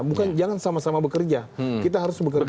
bukan jangan sama sama bekerja kita harus bekerja